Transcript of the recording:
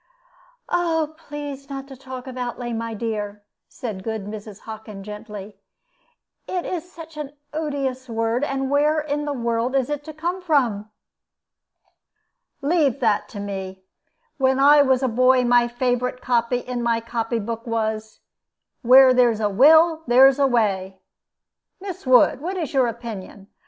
"Oh, please not to talk of outlay, my dear," said good Mrs. Hockin, gently; "it is such an odious word; and where in the world is it to come from?" "Leave that to me. When I was a boy my favorite copy in my copy book was, 'Where there's a will there's a way.' Miss Wood, what is your opinion?